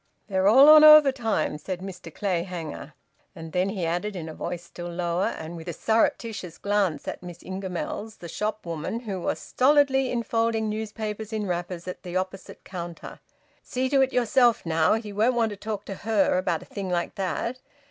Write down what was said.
"They're all on overtime," said Mr Clayhanger; and then he added, in a voice still lower, and with a surreptitious glance at Miss Ingamells, the shop woman, who was stolidly enfolding newspapers in wrappers at the opposite counter, "See to it yourself, now. He won't want to talk to her about a thing like that.